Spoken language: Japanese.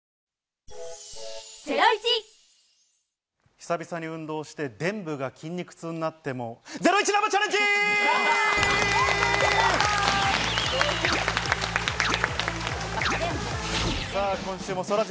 久々に運動して臀部が筋肉痛になっても、ゼロイチ生チャレンジ！